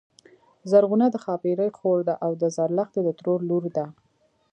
زرغونه د ښاپيرې خور ده او د زرلښتی د ترور لور ده